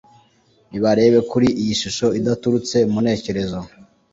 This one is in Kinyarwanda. Nibarebe kuri iyi shusho idaturutse mu ntekerezo